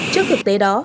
trước thực tế đó